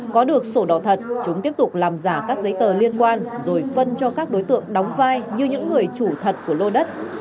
có được sổ đỏ thật chúng tiếp tục làm giả các giấy tờ liên quan rồi phân cho các đối tượng đóng vai như những người chủ thật của lô đất